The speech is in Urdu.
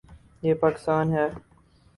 یہ پاکستان ہے۔